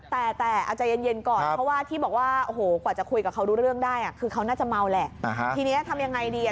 แต่เอาใจเย็นก่อนเพราะว่าที่บอกว่าโอ้โหกว่าจะคุยกับเขารู้เรื่องได้คือเขาน่าจะเมาแหละทีนี้ทำยังไงดีอ่ะ